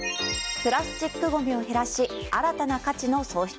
プラスチックごみを減らし新たな価値の創出。